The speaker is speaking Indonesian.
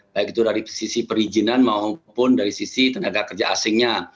baik itu dari sisi perizinan maupun dari sisi tenaga kerja asingnya